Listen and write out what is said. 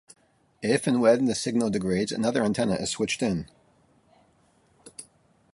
If and when the signal degrades, another antenna is switched in.